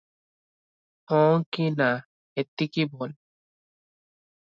'ହଁ' କି 'ନା' ଏତିକି ବୋଲ ।